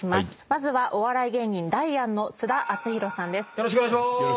まずはお笑い芸人ダイアンの津田篤宏さんです。